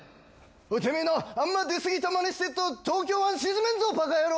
てめえなあんま出過ぎたまねしてっと東京湾沈めんぞバカ野郎！